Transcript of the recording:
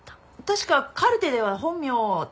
確かカルテでは本名「拓也」だ。